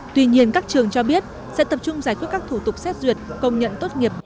tuy nhiên các trường cho biết sẽ tập trung giải quyết các thủ tục xét duyệt công nhận tốt nghiệp